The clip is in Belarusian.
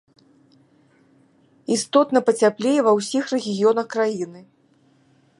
Істотна пацяплее ва ўсіх рэгіёнах краіны.